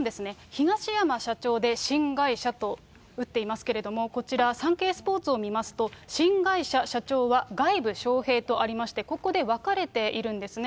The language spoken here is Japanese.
東山社長で新会社とうっていますけれども、こちら、サンケイスポーツを見ますと、新会社社長は外部招へいとありまして、ここで分かれているんですね。